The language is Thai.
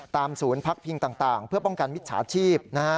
ศูนย์พักพิงต่างเพื่อป้องกันมิจฉาชีพ